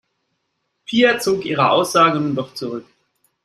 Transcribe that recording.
Pia zog ihre Aussage nun doch zurück.